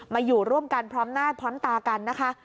อยู่ร่วมกันพร้อมหน้าพร้อมตากันนะคะ